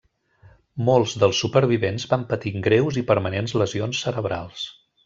Molts dels supervivents van patir greus i permanents lesions cerebrals.